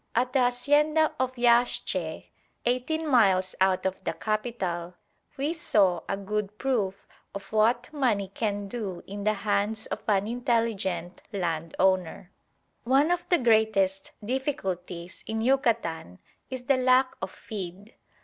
At the hacienda of Yaxche, eighteen miles out of the capital, we saw a good proof of what money can do in the hands of an intelligent land owner. One of the greatest difficulties in Yucatan is the lack of feed.